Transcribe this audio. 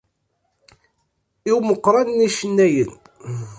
I umeqqran n yicennayen.